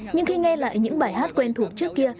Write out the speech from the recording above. nhưng khi nghe lại những bài hát quen thuộc trước kia